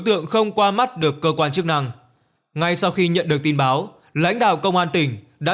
tượng không qua mắt được cơ quan chức năng ngay sau khi nhận được tin báo lãnh đạo công an tỉnh đã